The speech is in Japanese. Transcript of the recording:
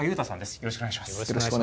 よろしくお願いします。